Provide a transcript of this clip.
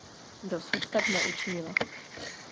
Dosud tak neučinila.